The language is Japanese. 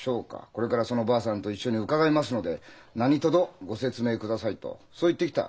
これからそのばあさんと一緒に伺いますので何とぞご説明ください」とそう言ってきた。